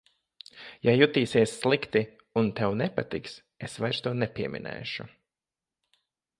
Ja jutīsies slikti un tev nepatiks, es vairs to nepieminēšu.